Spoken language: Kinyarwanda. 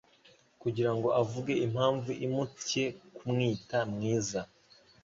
kugira ngo avuge impamvu imutcye kumwita mwiza.